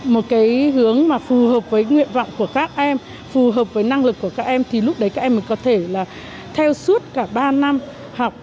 một cái hướng mà phù hợp với nguyện vọng của các em phù hợp với năng lực của các em thì lúc đấy các em mới có thể là theo suốt cả ba năm học